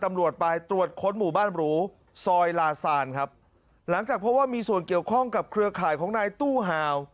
โอ้โหป้ายแดงเถือกเลยอ่ะ